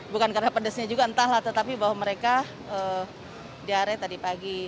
bukan karena pedasnya juga entahlah tetapi bahwa mereka diare tadi pagi